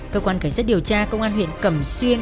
cơ quan cảnh sát điều tra công an huyện cẩm xuyên